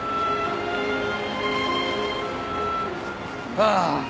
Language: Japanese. ああ。